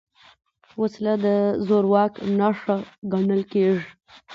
وسله د زور واک نښه ګڼل کېږي